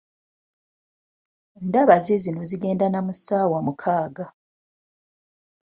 Ndaba ziizino zigenda na mu ssaawa mukaaga.